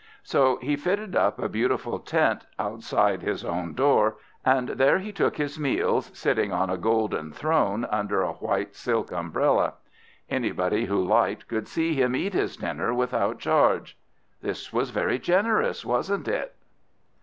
So he fitted up a beautiful tent outside his own door, and there he took his meals, sitting on a golden throne, under a white silk umbrella. Anybody who liked could see him eat his dinner without charge. This was very generous, wasn't it?